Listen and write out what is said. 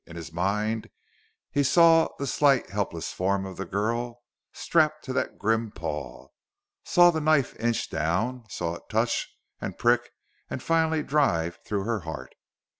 In his mind he saw the slight, helpless form of the girl strapped to that grim paw, saw the knife inch down, saw it touch and prick and finally drive through her heart.